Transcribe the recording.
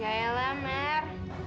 gak yalah mer